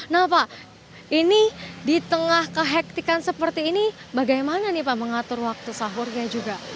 nah pak ini di tengah kehektikan seperti ini bagaimana nih pak mengatur waktu sahurnya juga